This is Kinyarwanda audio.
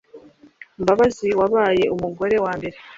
Mbabazi wabaye umugore wa mbere